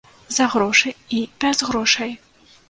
За грошы і без грошай.